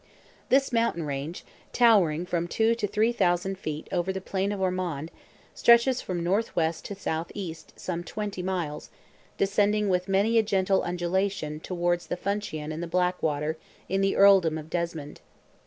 This mountain range, towering from two to three thousand feet over the plain of Ormond, stretches from north west to south east, some twenty miles, descending with many a gentle undulation towards the Funcheon and the Blackwater in the earldom of Desmond.